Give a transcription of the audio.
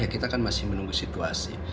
kita kan masih menunggu situasi